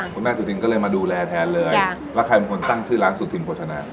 คุณแม่สุธินก็เลยมาดูแลแทนเลยแล้วใครเป็นคนตั้งชื่อร้านสุธินโภชนา